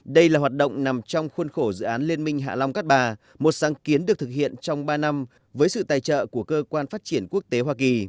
đây là hoạt động nằm trong khuôn khổ dự án liên minh hạ long cát bà một sáng kiến được thực hiện trong ba năm với sự tài trợ của cơ quan phát triển quốc tế hoa kỳ